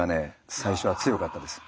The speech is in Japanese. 最初は強かったです。